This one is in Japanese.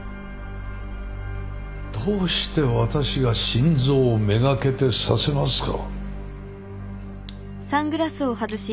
どうして私が心臓めがけて刺せますか？